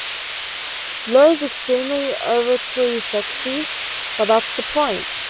Lo is extremely, overtly sexy but that's the point.